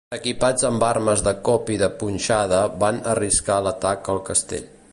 Equipats amb armes de cop i de punxada, van arriscar l'atac al castell.